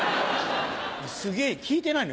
「すげぇ」聞いてないの？